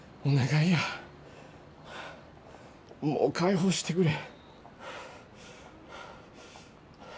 お願いやもう解放してくれ。